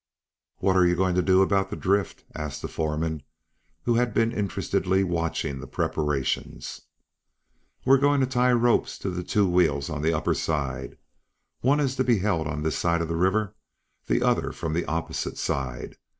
"What are you going to do about the drift?" asked the foreman, who had been interestedly watching the preparations. "We are going to tie ropes to the two wheels on the upper side. One is to be held on this side of the river, the other from the opposite side.